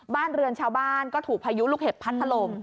บ้านเรือนชาวบ้านก็ถูกพายุลูกเห็บพัดถล่ม